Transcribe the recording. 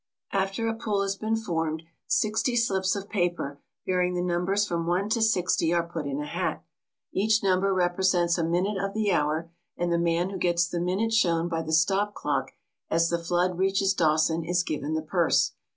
After a pool has been formed, sixty slips of paper, bearing the numbers from one to sixty, are put in a hat. Each number represents a minute of the hour, and the man who gets the minute shown by the stop clock as the flood reaches Dawson is given the purse.